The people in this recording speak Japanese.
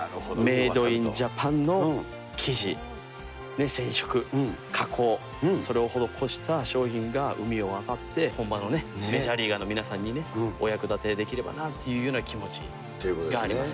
メード・イン・ジャパンの生地、染色、加工、それを施した商品が海を渡って、本場のメジャーリーガーの皆さんに、お役立てできればなというような気持ちがあります。